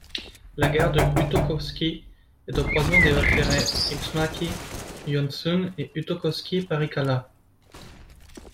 La gare de Huutokoski est au croisement des voies ferrées Pieksämäki–Joensuu et Huutokoski–Parikkala.